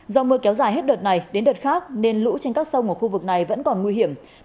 do mưa kéo dài hết đợt này đến đợt khác nên lũ trên các sông ở khu vực này vẫn còn nguy hiểm